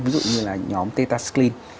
ví dụ như là nhóm tetaskin